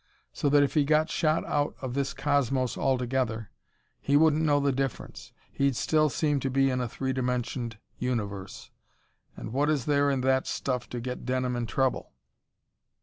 So that if he got shot out of this cosmos altogether he wouldn't know the difference. He'd still seem to be in a three dimensioned universe. And what is there in that stuff to get Denham in trouble?"